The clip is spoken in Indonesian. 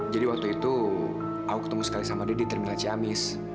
jadi waktu itu aku ketemu sekali sama dia di terminal ciamis